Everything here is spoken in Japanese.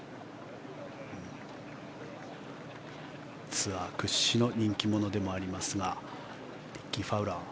ツアー屈指の人気者でもありますがリッキー・ファウラー。